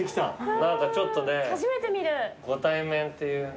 何かちょっとねご対面っていう。